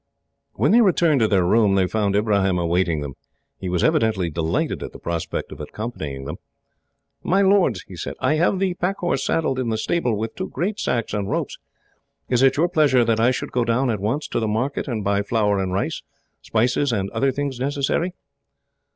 When they returned to their room, they found Ibrahim awaiting them. He was evidently delighted at the prospect of accompanying them. "My lords," he said, "I have the pack horse saddled in the stable, with two great sacks and ropes. Is it your pleasure that I should go down, at once, to the market and buy flour and rice, spices, and other things necessary?"